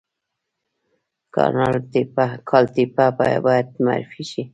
کالтура باید معرفي شي